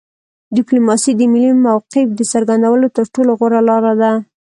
ډیپلوماسي د ملي موقف د څرګندولو تر ټولو غوره لار ده